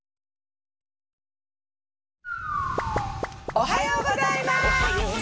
おはようございます！